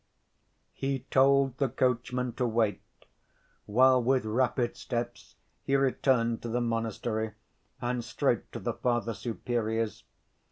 He told the coachman to wait, while with rapid steps he returned to the monastery and straight to the Father Superior's.